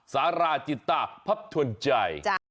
สาราจิตาพับทวนใจ